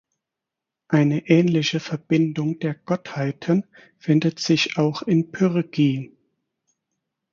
Eine ähnliche Verbindung der Gottheiten findet sich auch in Pyrgi.